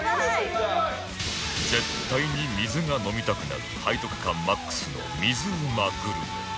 絶対に水が飲みたくなる背徳感 ＭＡＸ の水うまグルメだが